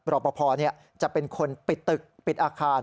รอปภจะเป็นคนปิดตึกปิดอาคาร